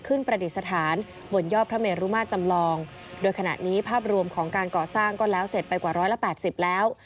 ประดิษฐานบนยอดพระเมรุมาตรจำลองโดยขณะนี้ภาพรวมของการก่อสร้างก็แล้วเสร็จไปกว่าร้อยละแปดสิบแล้ว